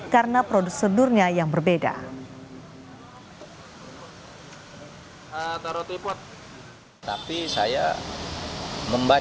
karena prosedurnya yang berbeda